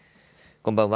こんばんは。